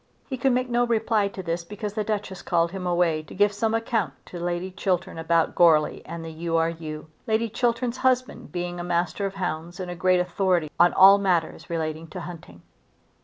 He could make no reply to this because the Duchess called him away to give some account to Lady Chiltern about Goarly and the U. R. U., Lady Chiltern's husband being a master of hounds and a great authority on all matters relating to hunting.